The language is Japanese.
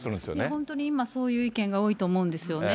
本当に今、そういう意見が多いと思うんですよね。